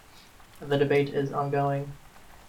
The debate is ongoing.